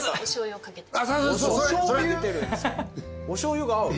おしょうゆが合う？